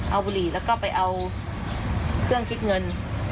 เอาบุหรี่แล้วก็ไปเอาเครื่องคิดเงิน